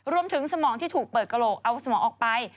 สมองที่ถูกเปิดกระโหลกเอาสมองออกไป